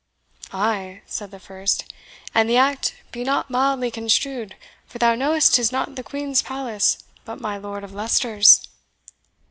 "Ay," said the first, "an the act be not mildly construed; for thou knowest 'tis not the Queen's palace, but my Lord of Leicester's."